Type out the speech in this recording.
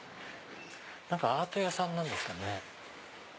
アート屋さんなんですかね？